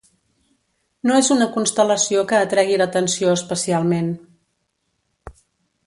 No és una constel·lació que atregui l'atenció especialment.